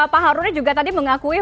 pak harun juga tadi mengakui